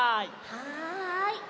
はい。